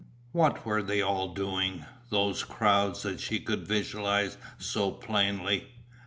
What were they all doing, those crowds that she could visualize so plainly?